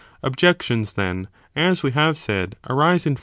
: Objections, then, as we have said, arise in four 38.